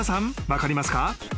分かりますか？］